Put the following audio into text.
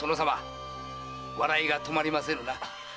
笑いが止まりませぬな。